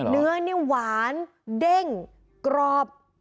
เนื้อนี่หวานเด้งกรอบ